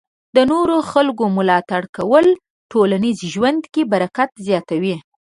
د نورو خلکو ملاتړ کول ټولنیز ژوند کې برکت زیاتوي.